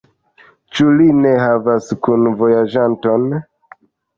Ĉu li ne havas kunvojaĝanton?